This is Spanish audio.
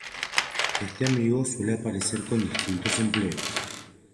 Este amigo suele aparecer con distintos empleos.